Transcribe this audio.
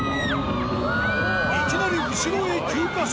いきなり後ろへ急加速